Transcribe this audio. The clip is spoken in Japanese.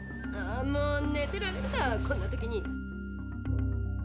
ああもう寝てられるかこんな時に。